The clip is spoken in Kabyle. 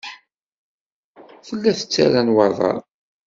Tella tettarra nnwaḍer.